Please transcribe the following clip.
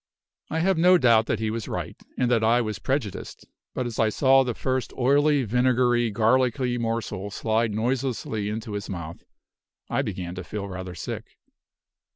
I have no doubt that he was right, and that I was prejudiced; but as I saw the first oily, vinegary, garlicky morsel slide noiselessly into his mouth, I began to feel rather sick.